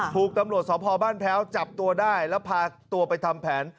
ถูกตำรวจสพบ้านแพ้วจับตัวได้แล้วพาตัวไปทำแผน